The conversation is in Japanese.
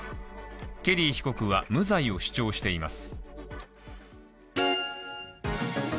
ケリー被告は無罪を主張しています。